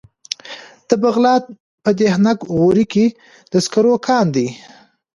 د بغلان په دهنه غوري کې د سکرو کان دی.